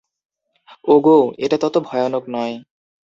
ওগো, এটা তত ভয়ানক নয়।